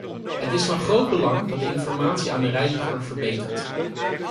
Het is van groot belang dat de informatie aan de reiziger verbetert.